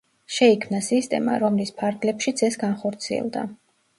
შეიქმნა სისტემა, რომლის ფარგლებშიც ეს განხორციელდა.